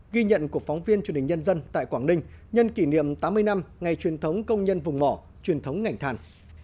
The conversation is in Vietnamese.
ghi nhận của phóng viên truyền hình nhân dân tại quảng ninh nhân kỷ niệm tám mươi năm ngày truyền thống công nhân vùng mỏ truyền thống ngành than